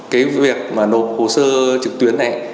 cái việc mà nộp hồ sơ trực tuyến này